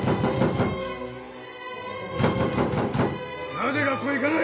なぜ学校へ行かない？